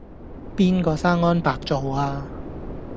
邊個生安白造呀?